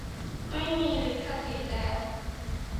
ไม่มีลิขสิทธิ์แล้ว